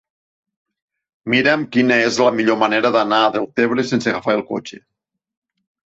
Mira'm quina és la millor manera d'anar a Deltebre sense agafar el cotxe.